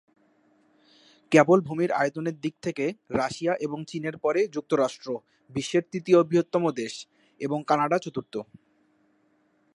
কেবল ভূমির আয়তনের দিক থেকে, রাশিয়া এবং চীনের পরে যুক্তরাষ্ট্র বিশ্বের তৃতীয় বৃহত্তম দেশ, এবং কানাডা চতুর্থ।